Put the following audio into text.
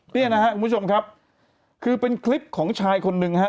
เนี่ยนะครับคุณผู้ชมครับคือเป็นคลิปของชายคนหนึ่งฮะ